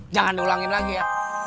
jangan diulangin lagi ya